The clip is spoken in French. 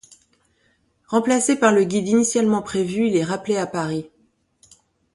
Remplacé par le guide initialement prévu, il est rappelé à Paris.